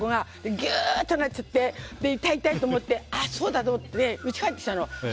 ギューッとなっちゃって痛い、痛いと思ってあ、そうだと思ってうちに帰ってきたの。